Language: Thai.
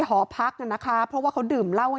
หอพักนะคะเพราะว่าเขาดื่มเล่า